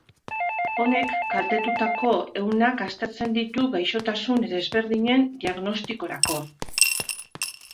Honek kaltetutako ehunak aztertzen ditu gaixotasun desberdinen diagnostikorako.